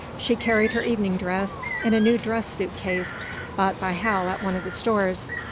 She carried her evening dress in a new dress suit case bought by Hal at one of the stores.